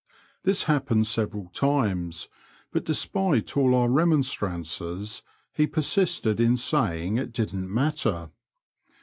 This hap pened several times, but despite all our remonstrances he persisted in saying it didn*t matter.